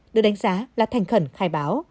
được đánh giá là thành khẩn khai báo